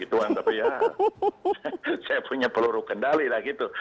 tapi ya saya punya peluru kendali lah gitu